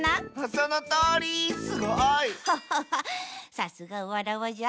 さすがわらわじゃ。